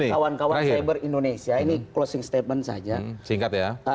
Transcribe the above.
kawan kawan cyber indonesia ini closing statement saja singkat ya